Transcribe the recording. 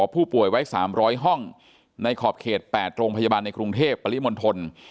ผู้ป่วยไว้๓๐๐ห้องในขอบเขต๘โรงพยาบาลในกรุงเทพปริมณฑล